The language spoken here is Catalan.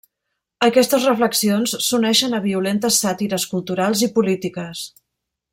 Aquestes reflexions s'uneixen a violentes sàtires culturals i polítiques.